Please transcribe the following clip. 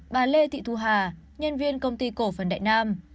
bà lê thị thu hà nhân viên công ty cổ phần đại nam